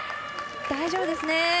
大丈夫ですね。